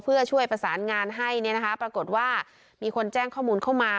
เพื่อช่วยประสานงานให้ปรากฏว่ามีคนแจ้งข้อมูลเข้ามา